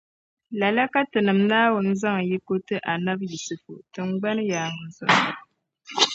Lala ka Tinim’ Naawuni zaŋ yiko ti Annabi Yisifu tiŋgbani yaaŋa zuɣu.